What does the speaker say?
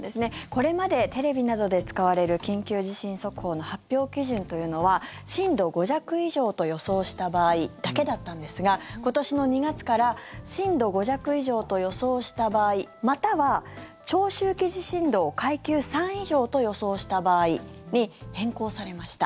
これまでテレビなどで使われる緊急地震速報の発表基準というのは震度５弱以上と予想した場合だけだったんですが今年の２月から震度５弱以上と予想した場合または長周期地震動階級３以上と予想した場合に変更されました。